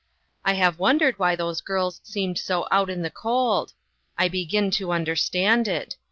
I have wondered why those girls seemed so out in the cold. I begin to understand it.